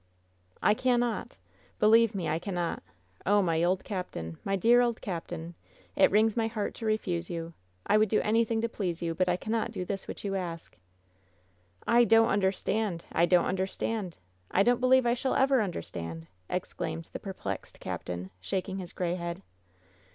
"I cannot. Believe me, I cannot. Oh, my old cap tain! My dear old captain! It wrings my heart to re fuse you! I would do anything to please you, but I cannot do this which you ask." "I don't understand! I don't understand! I don't believe I shall ever understand!" exclaimed the per plexed captain, shaking his gray head.